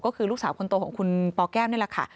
ก็คือลูกสาวคนโตของคุณปแก้วนี่แหละค่ะ